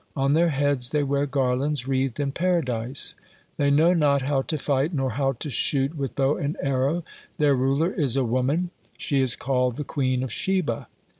On their heads they wear garlands wreathed in Paradise. They know not how to fight, nor how to shoot with bow and arrow. Their ruler is a woman, she is called the Queen of Sheba.